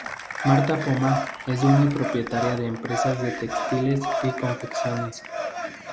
Martha Poma es dueña y propietaria de empresas de textiles y confecciones.